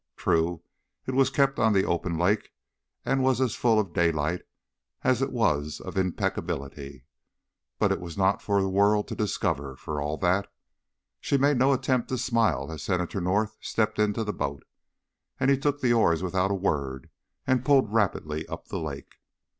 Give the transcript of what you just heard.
True, it was kept on the open lake and was as full of daylight as it was of impeccability, but it was not for the world to discover, for all that. She made no attempt to smile as Senator North stepped into the boat, and he took the oars without a word and pulled rapidly up the lake.